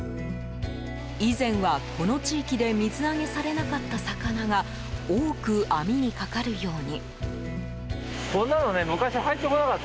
以前は、この地域で水揚げされなかった魚が多く網にかかるように。